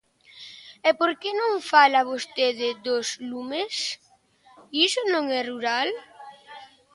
E ¿por que non fala vostede dos lumes?, ¿iso non é rural?